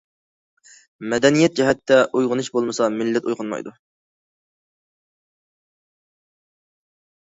مەدەنىيەت جەھەتتە ئويغىنىش بولمىسا مىللەت ئويغانمايدۇ.